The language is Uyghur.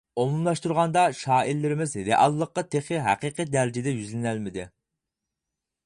ئومۇملاشتۇرغاندا، شائىرلىرىمىز رېئاللىققا تېخى ھەقىقىي دەرىجىدە يۈزلىنەلمىدى.